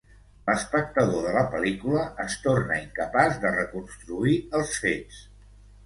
L'espectador de la pel·lícula es torna incapaç de reconstruir els fets.